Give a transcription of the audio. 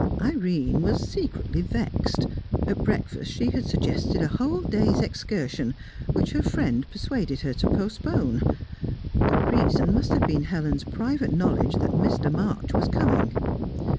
Irene was secretly vexed. At breakfast she had suggested a whole day's excursion, which her friend persuaded her to postpone; the reason must have been Helen's private knowledge that Mr. March was coming.